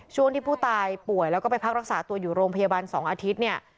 ช่วงที่ผู้ตายป่วยแล้วก็ไปพักรักษาตัวอยู่โรงพยาบาล๒อาทิตย์เนี่ย